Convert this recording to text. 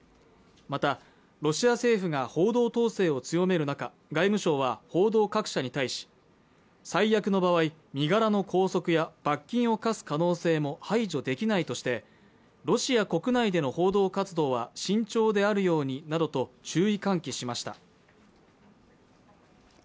またロシア政府が報道統制を強める中外務省は報道各社に対し最悪の場合身柄の拘束や罰金を科す可能性も排除できないとしてロシア国内での報道活動は慎重であるようになどと注意喚起しました